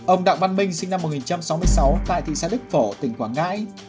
ông đặng văn minh sinh năm một nghìn sáu mươi sáu tại thị xã đức phổ tỉnh quảng ngãi